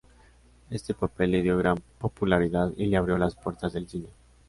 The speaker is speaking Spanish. Este papel le dio gran popularidad y le abrió las puertas del cine.